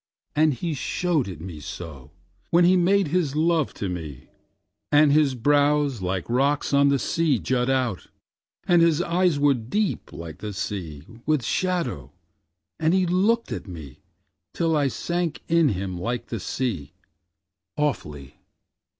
And he showed it meSo, when he made his love to me; And his brows like rocks on the sea jut out, And his eyes were deep like the seaWith shadow, and he looked at me, Till I sank in him like the sea, Awfully.